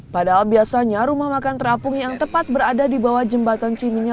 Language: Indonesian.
padahal biasanya rumah makan terapung yang tepat berada di bawah jembatan ciminya